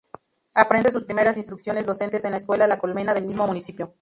Aprende sus primeras instrucciones docentes en la escuela La Colmena del mismo Municipio.